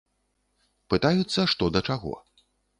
Пытаюцца, што да чаго.